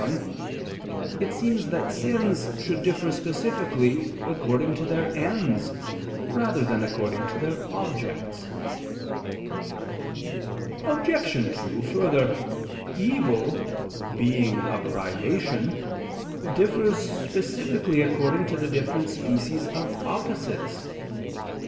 1), it seems that sins should differ specifically according to their ends rather than according to their objects. Obj. 2: Further, evil, being a privation, differs specifically according to the different species of opposites.